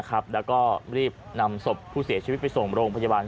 แล้วก็รีบนำศพผู้เสียชีวิตไปส่งโรงพยาบาล